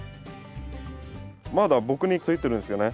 まだ僕についてるんですよね。